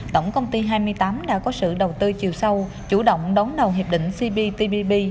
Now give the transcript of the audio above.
tổng công ty hai mươi tám đã có sự đầu tư chiều sâu chủ động đón đầu hiệp định cptpp